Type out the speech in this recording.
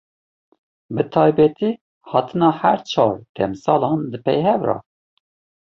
Bi taybetî hatina her çar demsalan di pey hev re.